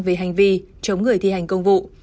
về hành vi chống người thi hành công vụ